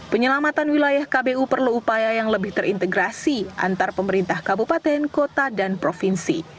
penyelamatan wilayah kbu perlu upaya yang lebih terintegrasi antar pemerintah kabupaten kota dan provinsi